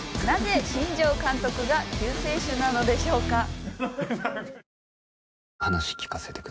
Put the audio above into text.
なぜ新庄監督が救世主なのでしょうか？